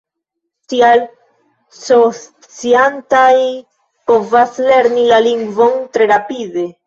Tial, C-sciantaj povas lerni la lingvon tre rapide.